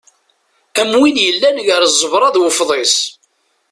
Am win yellan gar ẓẓebra d ufḍis.